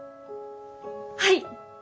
はい。